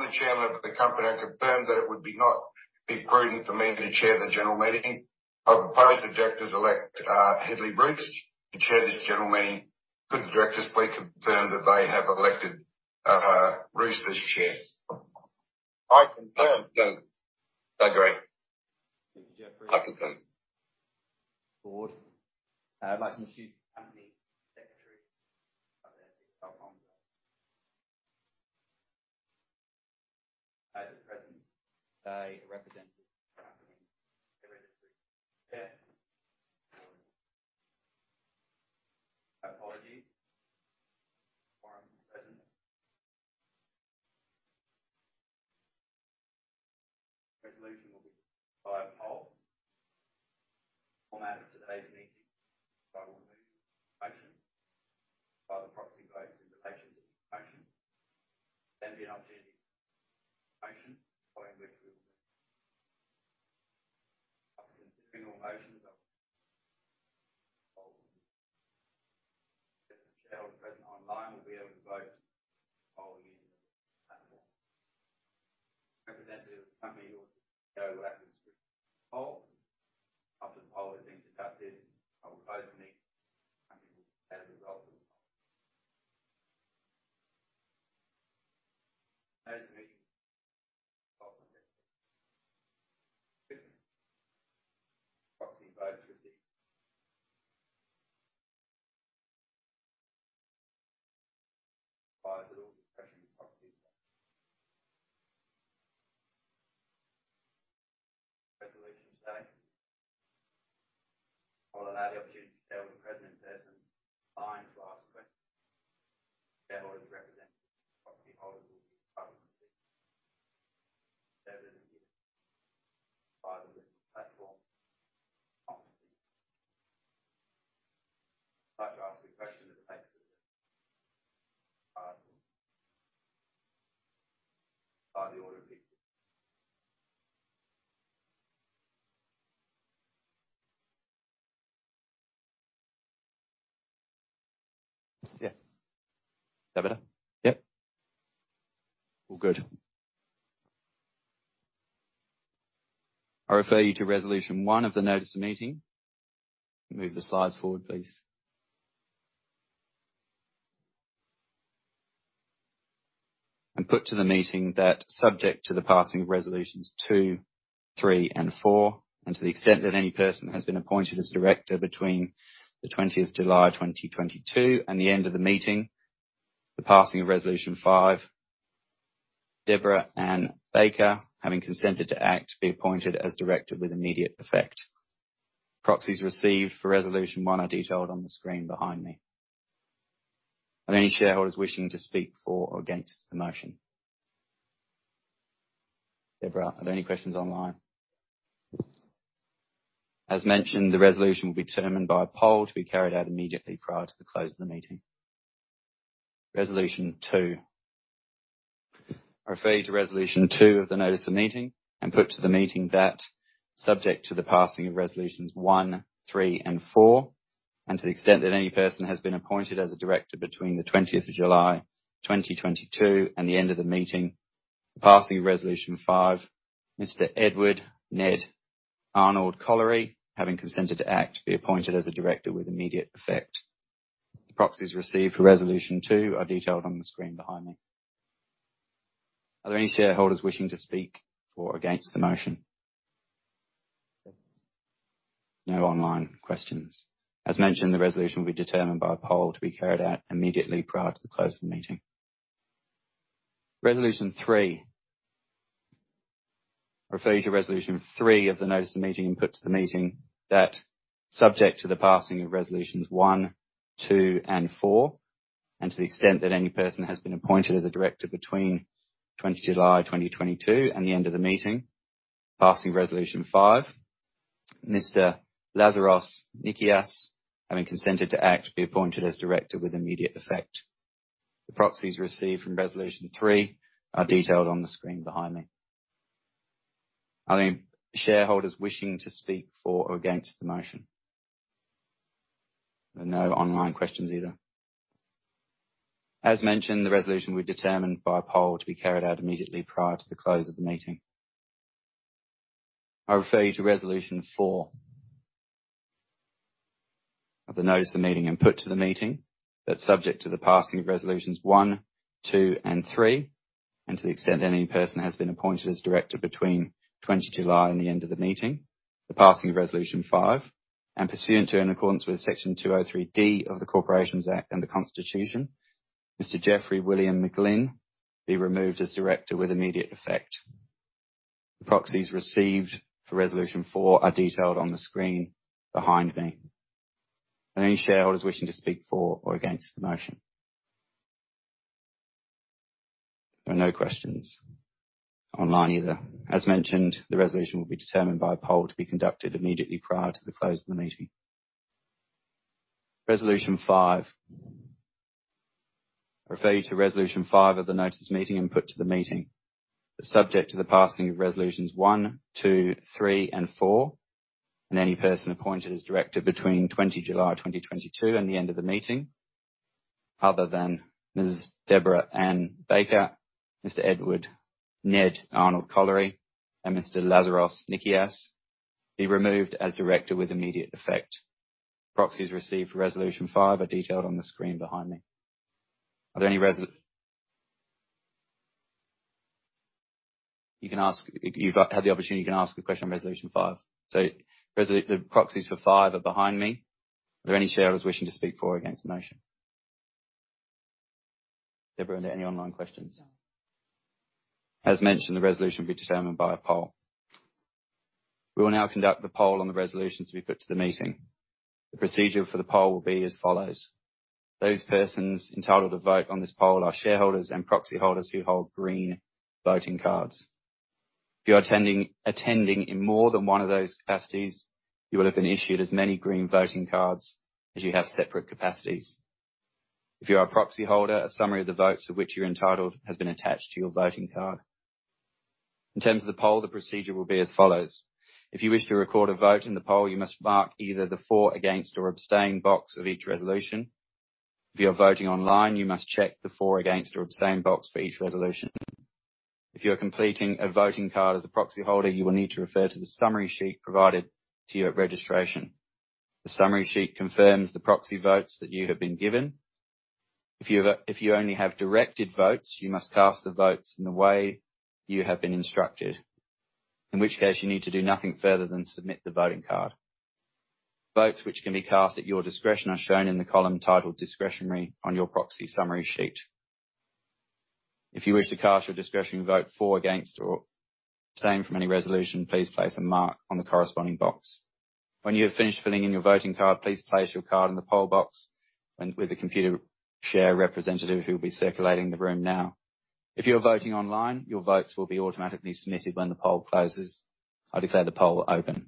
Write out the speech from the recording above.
Good morning. I'm the chairman of the company. I confirm that it would not be prudent for me to chair the general meeting. I propose the directors elect Hedley Bruce to chair this general meeting. Could the directors please confirm that they have elected Bruce as chair? I confirm. I confirm. I agree. Thank you, Jeffrey. I confirm. Board. I'd like to introduce the company secretary. At the present, a representative. Apologies. Foreign resident. Resolutions will be by a poll. Format of today's meeting will be motion by the proxy votes in relation to the motion. Then be an opportunity. Motion following which we will be. After considering all motions, those present online will be able to vote to those present in person online to ask questions. Shareholders representative, proxy holders will be. Shareholders via the platform like to ask a question by the order of the meeting. Yes. Is that better? Yep. All good. I refer you to resolution one of the notice of meeting. Move the slides forward, please. Put to the meeting that subject to the passing of resolutions two, three, and four, and to the extent that any person has been appointed as director between the twentieth of July, 2022 and the end of the meeting, the passing of resolution five, Debra Anne Bakker, having consented to act, be appointed as director with immediate effect. Proxies received for resolution one are detailed on the screen behind me. Are there any shareholders wishing to speak for or against the motion? Debra, are there any questions online? As mentioned, the resolution will be determined by a poll to be carried out immediately prior to the close of the meeting. Resolution two. I refer you to resolution two of the notice of meeting and put to the meeting that subject to the passing of resolutions one, three, and four, and to the extent that any person has been appointed as a director between the 20th of July, 2022 and the end of the meeting, the passing of resolution five, Mr. Edward Arnold Collery having consented to act, be appointed as a director with immediate effect. The proxies received for resolution two are detailed on the screen behind me. Are there any shareholders wishing to speak for or against the motion? No online questions. As mentioned, the resolution will be determined by a poll to be carried out immediately prior to the close of the meeting. Resolution three. I refer you to resolution three of the notice of meeting and put to the meeting that subject to the passing of resolutions one, two, and four, and to the extent that any person has been appointed as a director between 20th July 2022 and the end of the meeting, passing resolution five, Mr. Lazaros Nikeas, having consented to act, be appointed as director with immediate effect. The proxies received from resolution three are detailed on the screen behind me. Are there any shareholders wishing to speak for or against the motion? There are no online questions either. As mentioned, the resolution will be determined by a poll to be carried out immediately prior to the close of the meeting. I refer you to resolution four of the notice of meeting and put to the meeting that subject to the passing of resolutions one, two, and three, and to the extent any person has been appointed as director between 20th July and the end of the meeting, the passing of resolution five, and pursuant to and in accordance with Section 20 3D of the Corporations Act 2001 and the Constitution, Mr. Jeffrey William McGlinn be removed as director with immediate effect. The proxies received for resolution four are detailed on the screen behind me. Are there any shareholders wishing to speak for or against the motion? There are no questions online either. As mentioned, the resolution will be determined by a poll to be conducted immediately prior to the close of the meeting. Resolution five. I refer you to resolution five of the notice of meeting and put to the meeting. Subject to the passing of resolutions one, two, three, and four, and any person appointed as director between 20th July 2022 and the end of the meeting, other than Ms. Debra Anne Bakker, Mr. Edward Arnold Collery, and Mr. Lazaros Nikeas, be removed as director with immediate effect. Proxies received for resolution five are detailed on the screen behind me. Are there any? You can ask. You've had the opportunity, you can ask a question on resolution five. So the proxies for five are behind me. Are there any shareholders wishing to speak for or against the motion? Debra, are there any online questions? No. As mentioned, the resolution will be determined by a poll. We will now conduct the poll on the resolutions to be put to the meeting. The procedure for the poll will be as follows. Those persons entitled to vote on this poll are shareholders and proxy holders who hold green voting cards. If you are attending in more than one of those capacities, you will have been issued as many green voting cards as you have separate capacities. If you are a proxy holder, a summary of the votes of which you're entitled has been attached to your voting card. In terms of the poll, the procedure will be as follows. If you wish to record a vote in the poll, you must mark either the For, Against, or Abstain box of each resolution. If you are voting online, you must check the for, against, or abstain box for each resolution. If you are completing a voting card as a proxy holder, you will need to refer to the summary sheet provided to you at registration. The summary sheet confirms the proxy votes that you have been given. If you only have directed votes, you must cast the votes in the way you have been instructed. In which case you need to do nothing further than submit the voting card. Votes which can be cast at your discretion are shown in the column titled Discretionary on your proxy summary sheet. If you wish to cast your discretionary vote for, against, or abstain from any resolution, please place a mark on the corresponding box. When you have finished filling in your voting card, please place your card in the poll box and with the Computershare representative who will be circulating the room now. If you are voting online, your votes will be automatically submitted when the poll closes. I declare the poll open.